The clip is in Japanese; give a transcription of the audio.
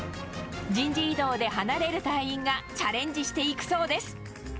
人事異動で離れる隊員がチャレンジしていくそうです。